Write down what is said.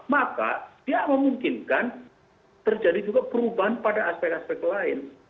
maka dia memungkinkan terjadi juga perubahan pada aspek aspek lain